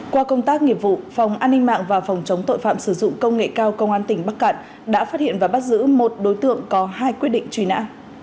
qua công tác nghiệp vụ phòng an ninh mạng và phòng chống tội phạm sử dụng công nghệ cao công an tỉnh bắc cạn đã phát hiện và bắt giữ một đối tượng có hai quyết định truy nã